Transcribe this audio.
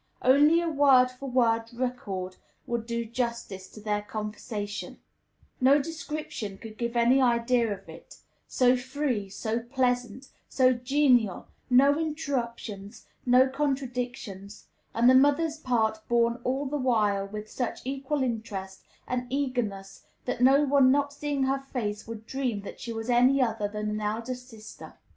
Only a word for word record would do justice to their conversation; no description could give any idea of it, so free, so pleasant, so genial, no interruptions, no contradictions; and the mother's part borne all the while with such equal interest and eagerness that no one not seeing her face would dream that she was any other than an elder sister.